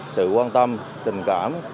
sự quan tâm tình cảm